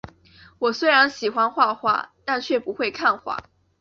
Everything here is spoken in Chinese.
我虽然喜欢画画，但却不会看画